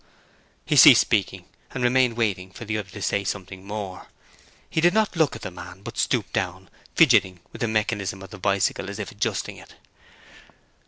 He ceased speaking and remained waiting for the other to say something more. He did not look at the man, but stooped down, fidgeting with the mechanism of the bicycle as if adjusting it.